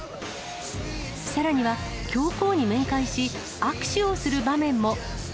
さらには、教皇に面会し、握手をする場面も。